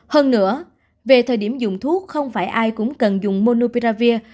hơn nữa về thời điểm dùng thuốc không phải ai cũng cần dùng monupiravir